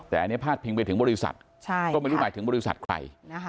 แต่อันนี้พาดพิงไปถึงบริษัทก็ไม่รู้หมายถึงบริษัทใคร